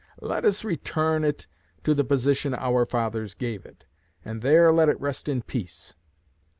Let us return it to the position our fathers gave it, and there let it rest in peace.